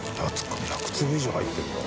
１００粒以上入ってるよ。